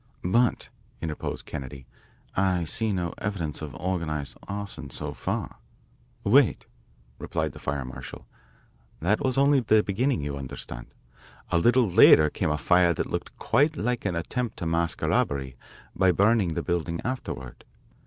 "But," interposed Kennedy, "I see no evidence of organised arson so far." "Wait," replied the fire marshal. "That was only the beginning, you understand. A little later came a fire that looked quite like an attempt to mask a robbery by burning the building afterward.